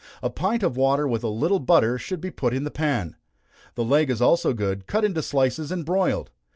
A pint of water with a little butter should be put in the pan. The leg is also good, cut into slices and broiled.